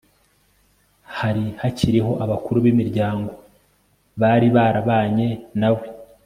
hari hakiriho abakuru b'imiryango bari barabanye na we